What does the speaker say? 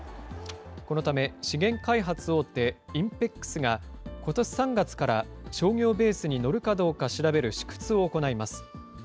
このため、資源開発大手、ＩＮＰＥＸがことし３月から商業ベースにのるかどうか調べる試掘を行います。